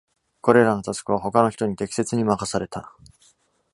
これらのタスクは、他の人に適切に任された。